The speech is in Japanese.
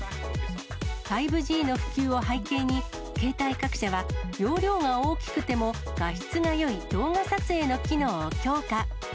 ５Ｇの普及を背景に、携帯各社は容量が大きくても画質がよい動画撮影の機能を強化。